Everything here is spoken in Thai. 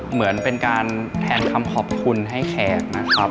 เหมือนเป็นการแทนคำขอบคุณให้แขกนะครับ